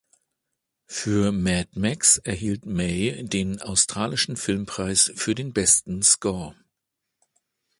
Für Mad Max erhielt May den australischen Filmpreis für den besten Score.